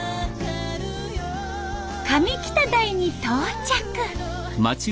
上北台に到着。